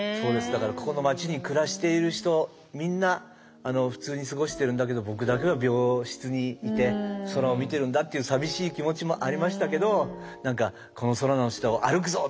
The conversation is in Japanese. だからここの町に暮らしている人みんな普通に過ごしてるんだけど僕だけは病室にいて空を見てるんだっていう寂しい気持ちもありましたけど何かこの空の下を歩くぞっていう気持ちの写真ですね。